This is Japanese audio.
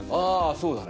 そうだね